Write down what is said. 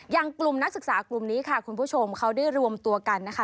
อย่างกลุ่มนักศึกษากลุ่มนี้ค่ะคุณผู้ชมเขาได้รวมตัวกันนะคะ